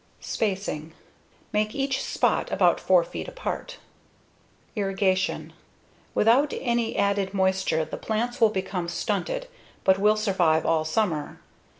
Spacing: Make each spot about 4 feet apart. Irrigation: Without any added moisture, the plants will become stunted but will survive all summer.